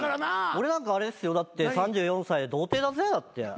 俺なんかあれですよだって３４歳で童貞だぜ。